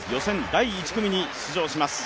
第１組に出場します。